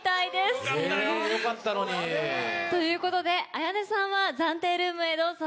えぇよかったのに。ということでＡＹＡＮＥさんは暫定ルームへどうぞ。